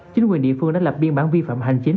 chính quyền địa phương đã lập biên bản vi phạm hành chính